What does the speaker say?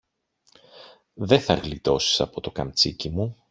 δε θα γλιτώσεις από το καμτσίκι μου.